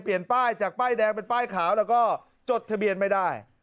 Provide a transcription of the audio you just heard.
ป้ายจากป้ายแดงเป็นป้ายขาวแล้วก็จดทะเบียนไม่ได้